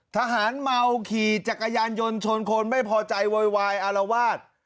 ทหารเมาขี่จักรยานยนต์ชนคนไม่พอใจโวยวายอารวาส